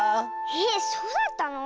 えっそうだったの？